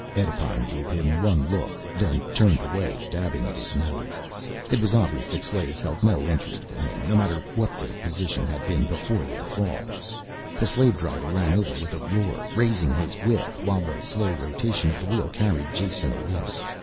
Edipon gave him one look, then turned away dabbing at his nose. It was obvious that slaves held no interest for him, no matter what their position had been before their fall. The slave driver ran over with a roar, raising his whip, while the slow rotation of the wheel carried Jason away.